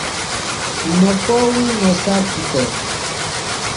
Nokowi nosakite.